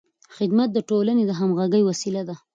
خدمت د ټولنې د همغږۍ وسیله ده.